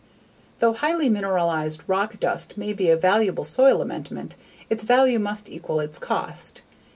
Though highly mineralized rock dust may be a valuable soil amendment, its value must equal its cost.